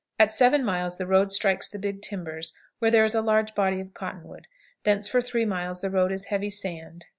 At seven miles the road strikes the "Big Timbers," where there is a large body of cottonwood; thence for three miles the road is heavy sand.